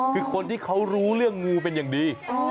คือคนที่เขารู้เรื่องงูเป็นอย่างดี